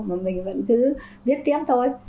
mà mình vẫn cứ viết tiếp thôi